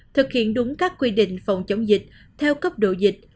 thực hiện đúng các quy định phòng chống dịch theo cấp độ dịch